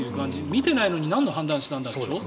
見ていないのになんの判断したんだって。